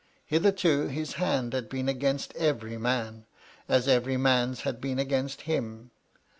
Hitherto his hand had been against every man, as every man's had been against him.